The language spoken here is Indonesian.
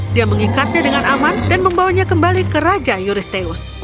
dia mengikatnya dengan aman dan membawanya kembali ke raja euristeus